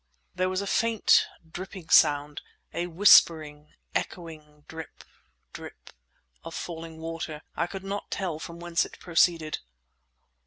There was a faint, dripping sound: a whispering, echoing drip drip of falling water. I could not tell from whence it proceeded.